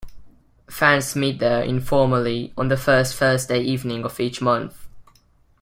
Fans meet there, informally, on the first Thursday evening of each month.